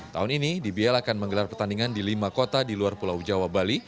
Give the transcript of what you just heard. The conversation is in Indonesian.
tahun ini dbl akan menggelar pertandingan di lima kota di luar pulau jawa bali